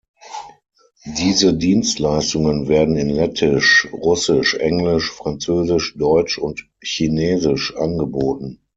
Diese Dienstleistungen werden in lettisch, russisch, englisch, französisch, deutsch und chinesisch angeboten.